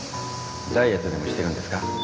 ダイエットでもしてるんですか？